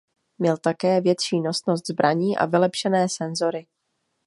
Měl také větší nosnost zbraní a vylepšené senzory.